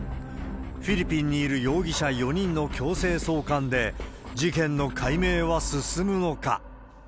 フィリピンにいる容疑者４人の強制送還で、事件の解明は進むのか。